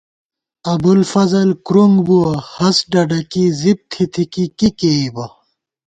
ابُوالفضل کۡرونگ بُوَہ، ہست ڈڈَکی زِپ تھِتھِکی کی کېئیبہ